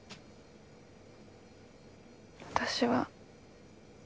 私は。